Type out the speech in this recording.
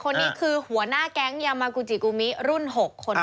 คนนี้คือหัวหน้าแก๊งยามากูจิกุมิรุ่น๖คนนี้